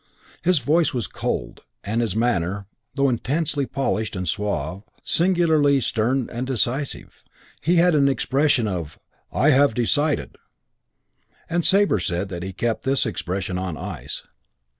His voice was cold, and his manner, though intensely polished and suave, singularly stern and decisive. He had an expression of "I have decided" and Sabre said that he kept this expression on ice.